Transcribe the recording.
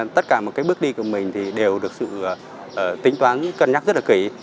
tất cả một cái bước đi của mình thì đều được sự tính toán cân nhắc rất là kỹ